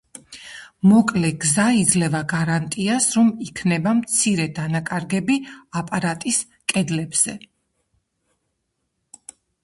მოკლე გზა იძლევა გარანტიას რომ იქნება მცირე დანაკარგები აპარატის კედლებზე.